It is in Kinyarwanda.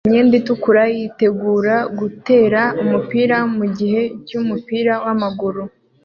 Umukinnyi wambaye imyenda itukura yitegura gutera umupira mugihe cyumupira wamaguru